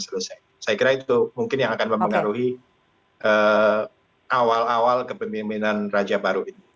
saya kira itu mungkin yang akan mempengaruhi awal awal kepemimpinan raja baru ini